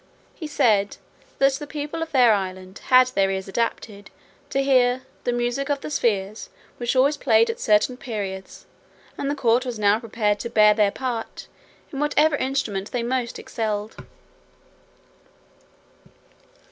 He said that, the people of their island had their ears adapted to hear "the music of the spheres, which always played at certain periods, and the court was now prepared to bear their part, in whatever instrument they most excelled."